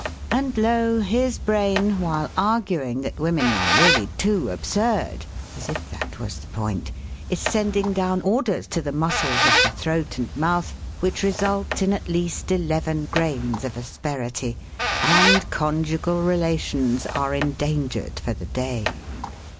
And lo! his brain, while arguing that women are really too absurd (as if that was the point), is sending down orders to the muscles of the throat and mouth which result in at least eleven grains of asperity, and conjugal relations are endangered for the day.